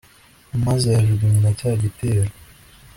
maze ayajugunyira cya gitero